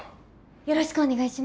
よろしくお願いします。